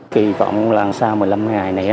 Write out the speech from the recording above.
kỳ vọng là sau một mươi năm ngày này